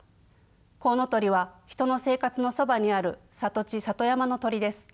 コウノトリは人の生活のそばにある里地里山の鳥です。